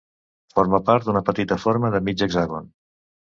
Forma part d'una petita forma de "mig hexàgon".